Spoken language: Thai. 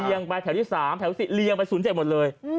ไปแถวที่๓แถว๑๐เรียงไป๐๗หมดเลย